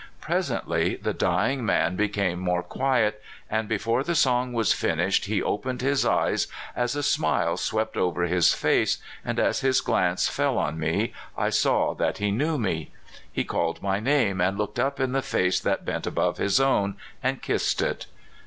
Presently the dying man became more quiet, and before the song was finished he opened his eyes as a smile swept over his face, and as his glance fell on me I saw that he knew me. He called my name, and looked up in the face that bent above his own, and kissed it.